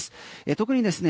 特にですね